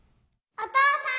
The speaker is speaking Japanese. お父さん！